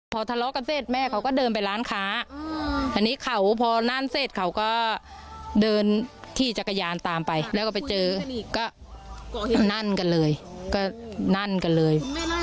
พอทะเลาะกันเสร็จแม่เขาก็เดินไปร้านค้าอันนี้เขาพอนั่นเสร็จเขาก็เดินขี่จักรยานตามไปแล้วก็ไปเจอก็นั่นกันเลยก็นั่นกันเลย